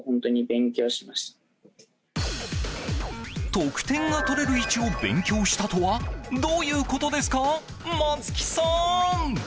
得点が取れる位置を勉強したとはどういうことですか松木さん。